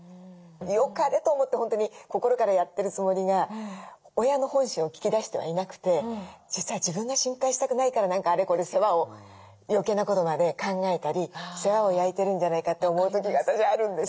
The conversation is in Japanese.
よかれと思って本当に心からやってるつもりが親の本心を聞き出してはいなくて実は自分が心配したくないから何かあれこれ世話を余計なことまで考えたり世話を焼いてるんじゃないかって思う時が私あるんです。